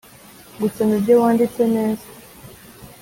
Gusoma ibyo wanditse neza